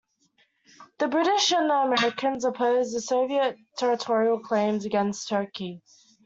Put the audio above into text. The British and the Americans opposed the Soviet territorial claims against Turkey.